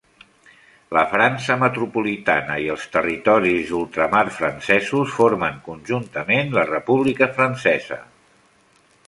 La França metropolitana i els territoris d'ultramar francesos formen conjuntament la República Francesa.